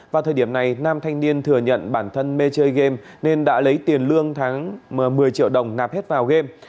vào thời điểm này nam thanh niên thừa nhận bản thân mê chơi game nên đã lấy tiền lương tháng một mươi triệu đồng nạp hết vào game